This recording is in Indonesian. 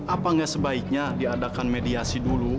apa nggak sebaiknya diadakan mediasi dulu